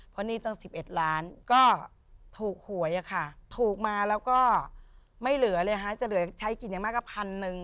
เพราะหนี้ตั้ง๑๑ล้านก็ถูกหวยอะค่ะถูกมาแล้วก็ไม่เหลือเลยฮะจะเหลือใช้กินอย่างมากก็พันหนึ่ง